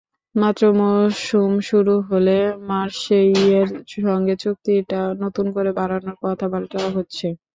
মাত্র মৌসুম শুরু হলো, মার্শেইয়ের সঙ্গে চুক্তিটা নতুন করে বাড়ানোর কথাবার্তা হচ্ছে।